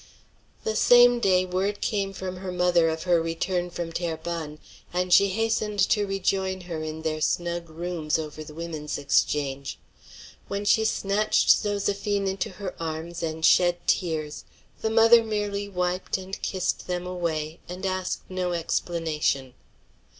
The same day word came from her mother of her return from Terrebonne, and she hastened to rejoin her in their snug rooms over the Women's Exchange. When she snatched Zoséphine into her arms and shed tears, the mother merely wiped and kissed them away, and asked no explanation.